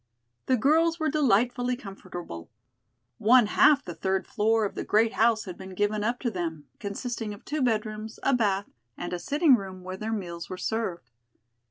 The girls were delightfully comfortable. One half the third floor of the great house had been given up to them, consisting of two bedrooms, a bath, and a sitting room where their meals were served.